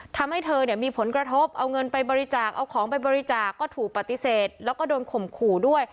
ทำให้เธอเนี่ยมีผลกระทบเอาเงินไปบริจาคเอาของไปบริจาคก็ถูกปฏิเสธแล้วก็โดนข่มขู่ด้วย